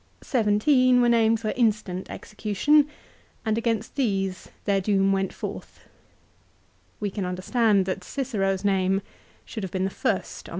Seventeen were named for instant execution, and against these their doom went forth. We can understand that Cicero's name should have been the first on the list. 1 Veil.